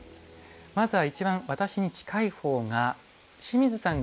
まずは一番私に近いほうが清水さん